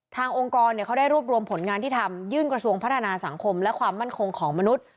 องค์กรเขาได้รวบรวมผลงานที่ทำยื่นกระทรวงพัฒนาสังคมและความมั่นคงของมนุษย์